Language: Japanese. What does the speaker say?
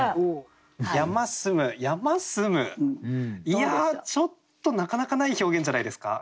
いやちょっとなかなかない表現じゃないですか？